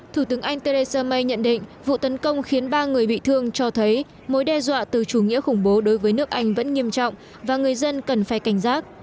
thủ tướng anh theresa may nhận định vụ tấn công khiến ba người bị thương cho thấy mối đe dọa từ chủ nghĩa khủng bố đối với nước anh vẫn nghiêm trọng và người dân cần phải cảnh giác